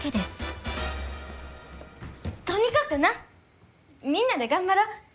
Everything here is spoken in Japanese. とにかくなみんなで頑張ろう。